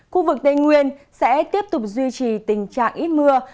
khu vực tây nguyên sẽ tiếp tục duy trì tình trạng ít mưa